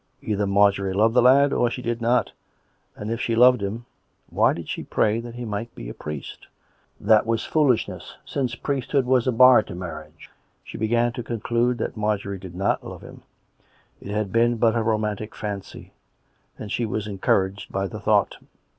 Either Marjorie loved the lad, or she did not, and if she loved him, why did she pray that he might be a priest? That was foolishness; since priest hood was a bar to marriage. She began to conclude that Marjorie did not love him; it had been but a romantic fancy; and she was encouraged by the thought.